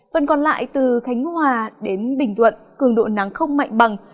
vẫn còn lại từ thánh hòa đến bình tuận cường độ nắng không mạnh bằng